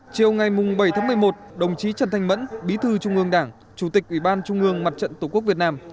chiều ngày bảy tháng một mươi một đồng chí trần thanh mẫn bí thư trung ương đảng chủ tịch ủy ban trung ương mặt trận tổ quốc việt nam